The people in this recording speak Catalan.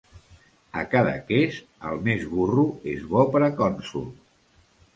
A Cadaqués, el més burro és bo per a cònsol.